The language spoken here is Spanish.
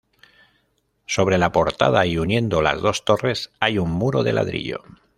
Sobre la portada, y uniendo las dos torres, hay un muro de ladrillo.